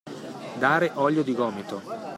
Dare olio di gomito.